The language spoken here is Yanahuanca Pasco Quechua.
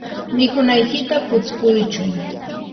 mikunaykita putskuychu.